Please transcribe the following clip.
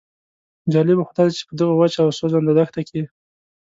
جالبه خو داده چې په دغه وچه او سوځنده دښته کې.